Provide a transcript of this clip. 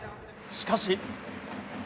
しかし。